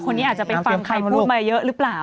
คนนี้อาจจะไปฟังใครพูดมาเยอะหรือเปล่า